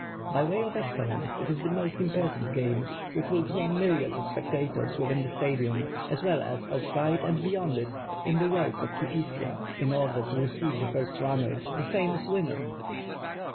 Hy way of excellence it is the most important game which will draw myriads of spectators within the Stadium as well as .utside and beyond it, in the road cf Kifissia, in order to receive the first runner, the famous winner.